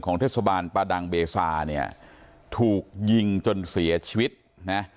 เทศบาลประดังเบซาเนี่ยถูกยิงจนเสียชีวิตนะ